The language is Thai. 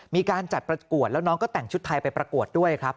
มีการจัดประกวดแล้วน้องก็แต่งชุดไทยไปประกวดด้วยครับ